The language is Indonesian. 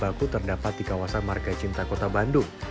pisang yang terdapat di kawasan marga cinta kota bandung